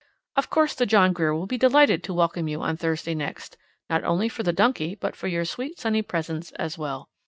Of course the John Grier will be delighted to welcome you on Thursday next, not only for the donkey, but for your sweet sunny presence as well.